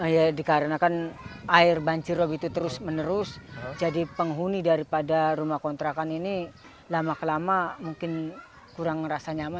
ya dikarenakan air banjir rob itu terus menerus jadi penghuni daripada rumah kontrakan ini lama kelama mungkin kurang merasa nyaman